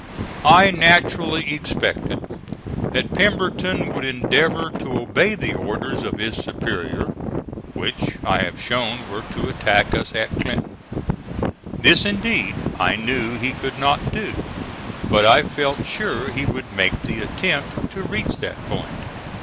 I naturally expected that Pemberton would endeavor to obey the orders of his superior, which I have shown were to attack us at Clinton. This, indeed, I knew he could not do; but I felt sure he would make the attempt to reach that point.